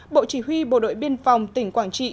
bộ chỉ huy bộ đội biên phòng tỉnh quảng trị